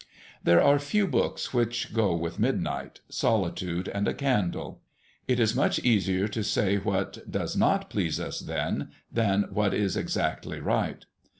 There are few books which go with midnight, solitude, and a candle. It is much easier to say what does not please us then than what is exactly right.